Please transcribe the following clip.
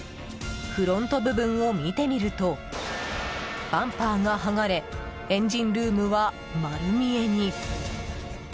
フロント部分を見てみるとバンパーが剥がれエンジンルームは丸見えに。